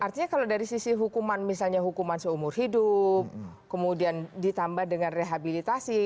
artinya kalau dari sisi hukuman misalnya hukuman seumur hidup kemudian ditambah dengan rehabilitasi